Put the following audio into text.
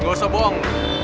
gak usah bohong